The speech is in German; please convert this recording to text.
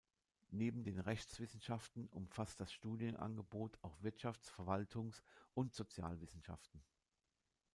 Neben den Rechtswissenschaften umfasst das Studienangebot auch Wirtschafts-, Verwaltungs- und Sozialwissenschaften.